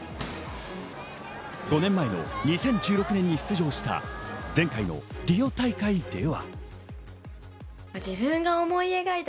５年前の２０１６年に出場した前回のリオ大会では。